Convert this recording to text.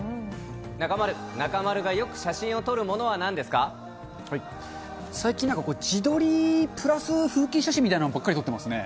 中丸、中丸がよく写真を撮る最近、なんかこういう自撮りプラス風景写真みたいなのばっかり撮ってますね。